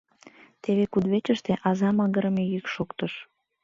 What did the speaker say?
Теве кудывечыште аза магырыме йӱк шоктыш.